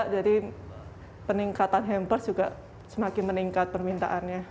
jadi peningkatan hampers juga semakin meningkat permintaannya